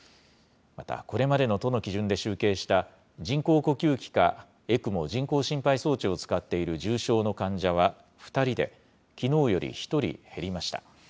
またこれまでの都の基準で集計した人工呼吸器かＥＣＭＯ・人工心肺装置を使っている重症の患者は２人で、きのうより１人減りました。